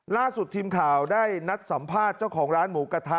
ล่าสุดทีมข่าวได้นัดสัมภาษณ์เจ้าของร้านหมูกระทะ